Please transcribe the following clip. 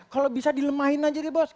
kalau bisa dilemahin aja di bos